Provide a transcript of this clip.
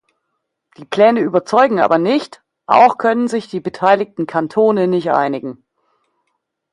Die Pläne überzeugen aber nicht, auch können sich die beteiligten Kantone nicht einigen.